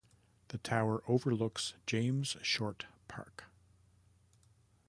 The tower overlooks James Short Park.